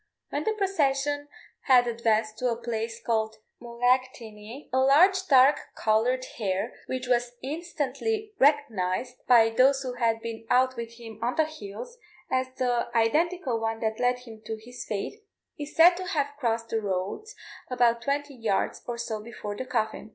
When the procession had advanced to a place called Mullaghtinny, a large dark coloured hare, which was instantly recognised, by those who had been out with him on the hills, as the identical one that led him to his fate, is said to have crossed the roads about twenty yards or so before the coffin.